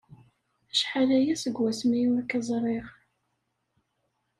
Acḥal aya seg wasmi ur k-ẓriɣ.